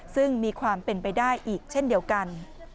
ซึ่งมีความเป็นไปได้อีกเช่นเดียวกัน